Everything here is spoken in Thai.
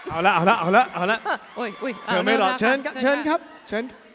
เอาล่ะเอาล่ะเอาล่ะเอาล่ะเธอไม่รอดเชิญครับเชิญครับเชิญ